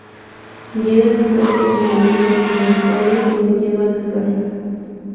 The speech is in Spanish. Llegan entonces los familiares de Bartolo y lo llevan a casa.